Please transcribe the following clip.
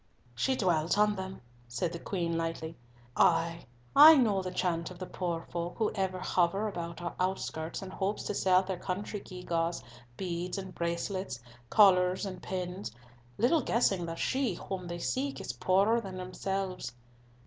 "She dwelt on them," said the Queen lightly. "Ay, I know the chant of the poor folk who ever hover about our outskirts in hopes to sell their country gewgaws, beads and bracelets, collars and pins, little guessing that she whom they seek is poorer than themselves.